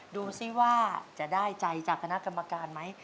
ดูสิว่าจะได้ใจจากคณะกรรมการไหม